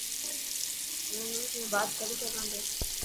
هون انگلش ۾ بات ڪري سگھان ٿو.